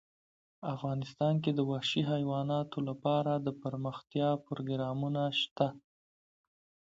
افغانستان کې د وحشي حیوانات لپاره دپرمختیا پروګرامونه شته.